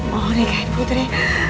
mau nikahin putri